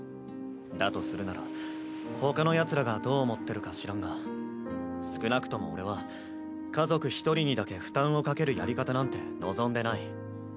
だとするならほかのヤツらがどう思ってるか知らんが少なくとも俺は家族１人にだけ負担をかけるやり方なんて望んでない。